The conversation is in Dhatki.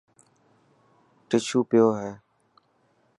ششو پيو هي.